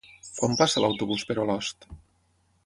Quan passa l'autobús per Olost?